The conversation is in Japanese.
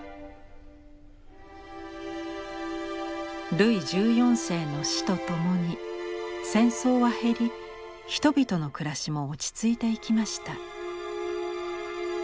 ルイ１４世の死とともに戦争は減り人々の暮らしも落ち着いていきました。